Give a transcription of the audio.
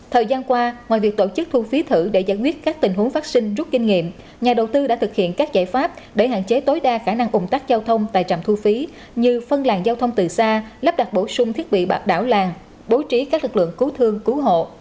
thời gian qua ngoài việc tổ chức thu phí thử để giải quyết các tình huống phát sinh rút kinh nghiệm nhà đầu tư đã thực hiện các giải pháp để hạn chế tối đa khả năng ủng tắc giao thông tại trạm thu phí như phân làng giao thông từ xa lắp đặt bổ sung thiết bị bạc đảo làng bố trí các lực lượng cứu thương cứu hộ